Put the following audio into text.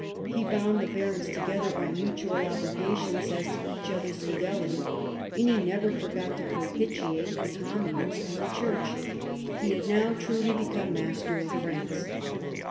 He bound the barons together by mutual obligations as to each other's fidelity; and he never forgot to propitiate the communes and the Church. He had now truly become master of France.